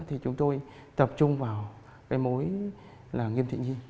thì chúng tôi tập trung vào cái mối là nhiêm thị nhi